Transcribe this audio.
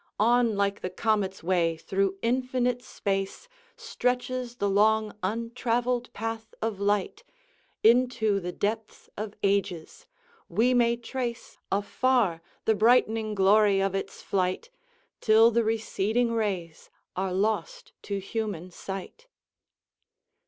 On, like the comet's way through infinite space. Stretches the long untravelled path of light, Into the depths of ages; we may trace, Afar, the brightening glory of its flight, Till the receding rays are lost to human sight.